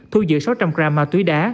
thu giữ sáu trăm linh gram ma túy đá